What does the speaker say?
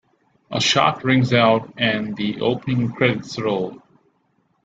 A shot rings out and the opening credits roll.